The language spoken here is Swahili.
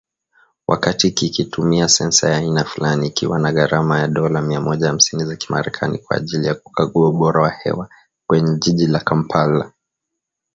Wakati kikitumia sensa ya aina fulani, ikiwa na gharama ya dola mia moja hamsini za kimerekani kwa ajili ya kukagua ubora wa hewa kwenye jiji la Kampala